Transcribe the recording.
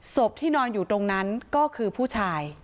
ศพที่นอนอยู่ตรงนั้นก็คือผู้ชาย